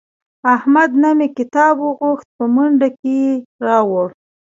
احمد نه مې کتاب وغوښت په منډه کې یې راوړ.